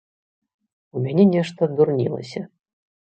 У мяне нешта дурнілася.